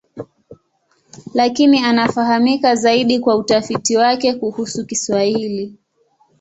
Lakini anafahamika zaidi kwa utafiti wake kuhusu Kiswahili.